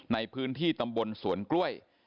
ในพื้นที่ตำบลสวนกล้วย